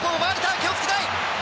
気をつけたい。